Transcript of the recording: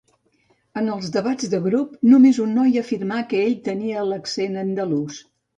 En els debats de grup, només un noi afirmà que ell tenia accent andalús.